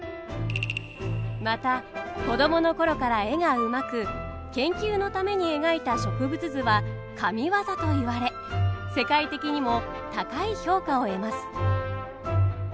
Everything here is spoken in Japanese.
また子供の頃から絵がうまく研究のために描いた植物図は神業と言われ世界的にも高い評価を得ます。